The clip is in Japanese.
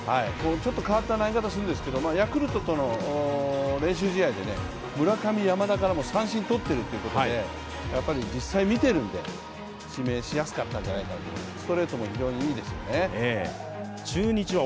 ちょっと変わった投げ方をするんですけどヤクルトとの練習試合で村上、山田からも三振を取っているということで、実際見ているので指名しやすかったんじゃないかなと思います。